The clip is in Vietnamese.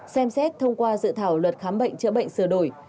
xem xét thông qua dự thảo luật khám bệnh chữa bệnh sửa đổi